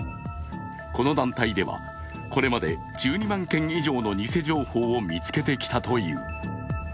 この団体では、これまで１２万件以上の偽情報を見つけてきたという。